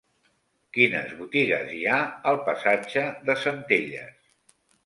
Quines botigues hi ha al passatge de Centelles?